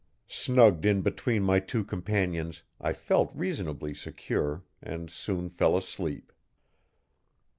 Snugged in between my two companions I felt reasonably secure and soon fell asleep.